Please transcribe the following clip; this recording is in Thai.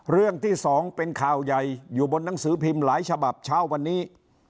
เรื่องที่สองเป็นข่าวใหญ่อยู่บนหนังสือพิมพ์หลายฉบับเช้าวันนี้